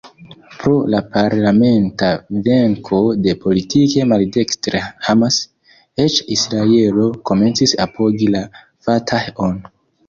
Pro la parlamenta venko de politike maldekstre Hamas, eĉ Israelo komencis apogi la Fatah-on.